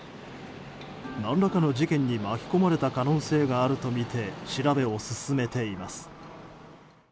何らかの事件に巻き込まれた可能性があるとみて調べています。